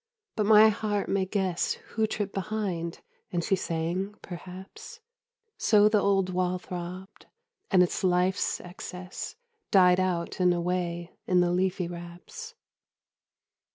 But my heart may guess Who tripped behind; and she sang, perhaps: So the old wall throbbed, and its life's excess Died out and away in the leafy wraps.